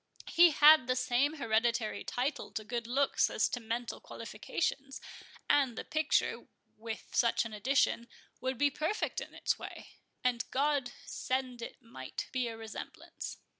He had the same hereditary title to good looks as to mental qualifications; and the picture, with such an addition, would be perfect in its way—and God send it might be a resemblance."